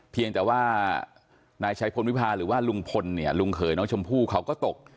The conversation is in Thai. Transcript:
เพียงแต่ว่านายชัยพลวิพาหรือว่าลุงพลเนี่ยลุงเขยน้องชมพู่เขาก็ตก